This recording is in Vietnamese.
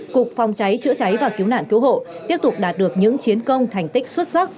cục phòng cháy chữa cháy và cứu nạn cứu hộ tiếp tục đạt được những chiến công thành tích xuất sắc